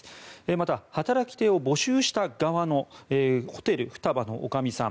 また、働き手を募集した側のホテル双葉のおかみさん